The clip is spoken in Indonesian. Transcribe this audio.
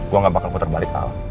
gue gak bakal putar balik kalah